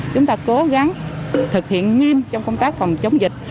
chúng ta cố gắng thực hiện nghiêm trong công tác phòng chống dịch